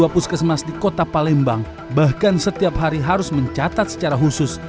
dua puskesmas di kota palembang bahkan setiap hari harus mencatat secara khusus